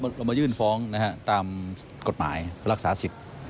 วันนี้เรามายื่นฟ้องตามกฎหมายรักษาสิทธิ์